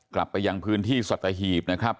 กลับไปยังพื้นที่สัตหีบนะครับ